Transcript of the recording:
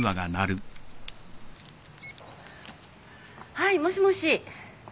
はいもしもし？